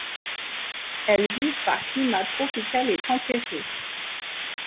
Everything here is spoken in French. Elles vivent par climat tropical et tempéré.